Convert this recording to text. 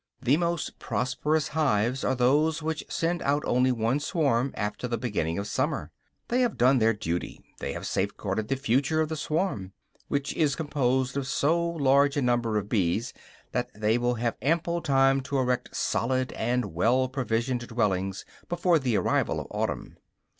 The most prosperous hives are those which send out only one swarm after the beginning of summer. They have done their duty; they have safeguarded the future of the swarm, which is composed of so large a number of bees that they will have ample time to erect solid and well provisioned dwellings before the arrival of autumn.